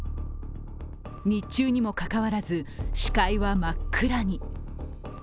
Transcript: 日中にもかかわらず、視界は真っ暗に。